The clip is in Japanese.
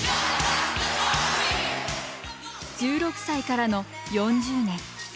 １６歳からの４０年。